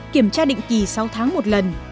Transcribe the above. kiểm tra định kỳ sáu tháng một lần